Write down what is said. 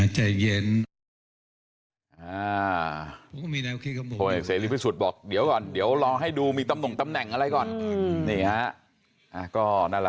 ใช่มั้ยฮะหนาใจเย็น